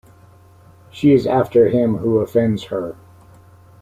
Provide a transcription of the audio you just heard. She is after him who offends her.